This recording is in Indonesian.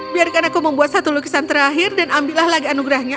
biarkan aku membuat satu lukisan terakhir dan ambillah lagi anugerahnya